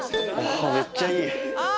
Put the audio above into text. めっちゃいい。